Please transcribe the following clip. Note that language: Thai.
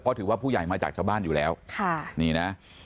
เพราะถือว่าผู้ใหญ่มาจากชาวบ้านอยู่แล้วค่ะนี่นะ